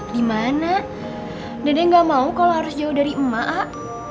dimana dede gak mau kalau harus jauh dari emak ah